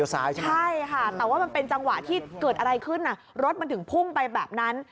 ใช่ค่ะแต่ว่ามันเป็นจังหวะที่เกิดอะไรขึ้นรถมันถึงพุ่งไปแบบนั้น